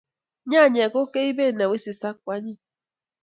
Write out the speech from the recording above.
Nyanyek ko keipet ne wisis ak koanyiny